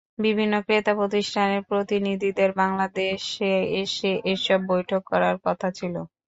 বিভিন্ন ক্রেতা প্রতিষ্ঠানের প্রতিনিধিদের বাংলাদেশে এসে এসব বৈঠক করার কথা ছিল।